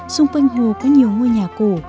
xung quanh hồ có nhiều ngôi nhà cổ